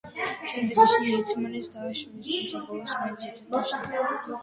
შემდეგ ისინი ერთმანეთს დააშორეს თუმცა ბოლოს მაინც ერთად დარჩნენ.